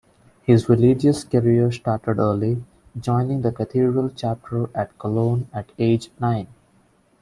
His religious career started early, joining the cathedral chapter at Cologne at age nine.